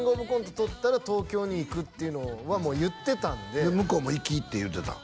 取ったら東京に行くっていうのはもう言ってたんで向こうも「行き」って言うてたん？